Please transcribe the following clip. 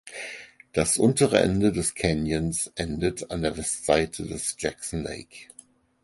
Das untere Ende des Canyons endet an der Westseite des Jackson Lake.